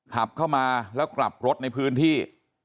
ขับเข้ามาแล้วกลับรถในพื้นที่